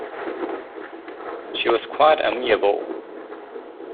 She was quite amiable.